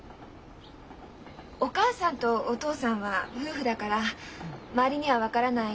お母さんとお父さんは夫婦だから周りには分からない